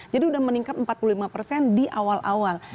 jadi sudah meningkat empat puluh lima persen di awal awal